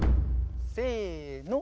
せの。